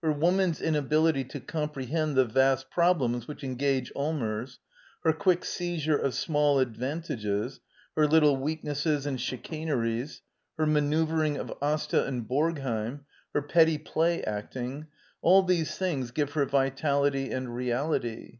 Her woman's inability to comprehend the vast problems which engage Elmers, her quick seizure of small advantages, her little weaknesses and chicanenp u her manoeuvring of Asta and Borgheim, her petty play acting — all these things give her vitality and reality.